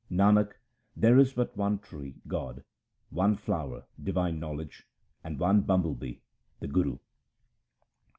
Nanak, there is but one tree (God), one flower (divine knowledge), and one bumble bee (the Guru).